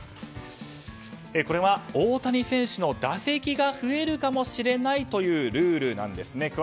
これは大谷選手の打席が増えるかもしれないというルールなんですね。